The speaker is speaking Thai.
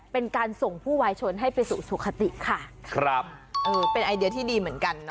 เป็นการส่งผู้วายชนให้ไปสู่สุขติค่ะครับเออเป็นไอเดียที่ดีเหมือนกันนะ